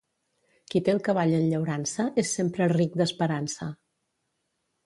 Qui té el cavall en llaurança, és sempre ric d'esperança.